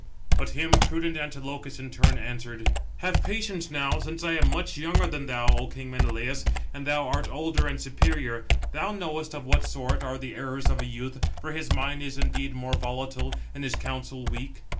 But him prudent Antilochus in turn answered: "Have patience now, since I am much younger than thou, O king Menelaus, and thou art older and superior. Thou knowest of what sort are the errors of a youth; for his mind is indeed more volatile, and his counsel weak.